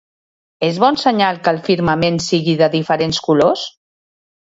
És bon senyal que el firmament sigui de diferents colors?